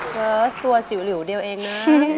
เฟิร์สตัวจิ๋วหลิวเดียวเองนะ